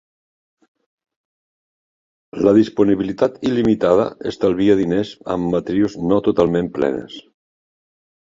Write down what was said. La disponibilitat limitada estalvia diners amb matrius no totalment plenes.